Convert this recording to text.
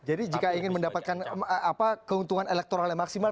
jadi jika ingin mendapatkan keuntungan elektoral yang maksimal